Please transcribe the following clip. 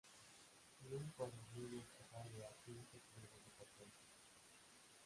Y un cuadernillo equivale a cinco pliegos de papel.